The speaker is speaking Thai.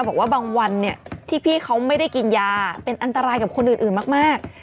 บอกว่าบางวันเนี่ยที่พี่เขาไม่ได้กินยาเป็นอันตรายกับคนอื่นมาก